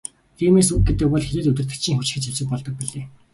Тиймээс үг гэдэг бол хэзээд удирдагчийн хүчирхэг зэвсэг болдог билээ.